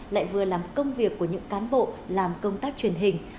lại vừa làm công việc của những cán bộ làm công tác truyền hình